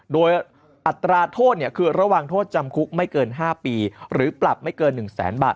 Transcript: โดยอัตราโทษคือระหว่างโทษจำคุกไม่เกิน๕ปีหรือปรับไม่เกิน๑แสนบาท